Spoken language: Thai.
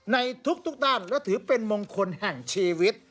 ในทุกด้านและถือเป็นมงคลแห่งชีวิต